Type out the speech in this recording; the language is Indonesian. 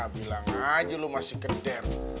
bilang aja lo masih geder